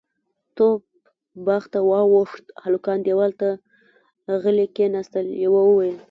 توپ باغ ته واوښت، هلکان دېوال ته غلي کېناستل، يوه وويل: